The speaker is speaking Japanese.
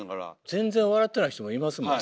全然笑ってない人もいますもんね。